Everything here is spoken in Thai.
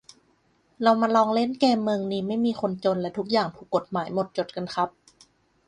เรามาลองเล่นเกมเมืองนี้ไม่มีคนจนและทุกอย่างถูกฎหมายหมดจดกันครับ